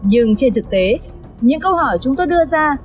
nhưng trên thực tế những câu hỏi chúng tôi đưa ra